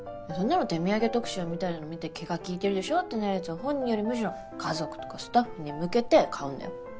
そんなの手土産特集みたいなの見て気が利いてるでしょってなるやつを本人よりむしろ家族とかスタッフに向けて買うんだよ。